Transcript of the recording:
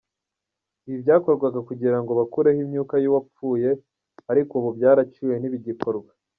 Ibi byakorwaga kugirango bakureho imyuka yuwa pfuye, ariko ubu byaraciwe ntibigikorwa.